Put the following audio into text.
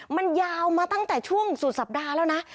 มันยาวมาตั้งแต่ช่วงสุดสัปดาห์แล้วนะ